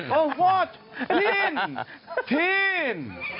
เออว่าทีน